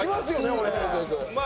俺。